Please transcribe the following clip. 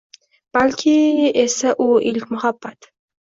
Balki esda u ilk muhabbat